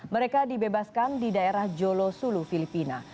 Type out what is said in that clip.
mereka dibebaskan di daerah jolo sulu filipina